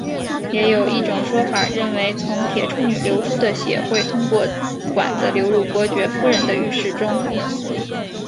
也有一种说法认为从铁处女流出的血会通过管子流入到伯爵夫人的浴室中。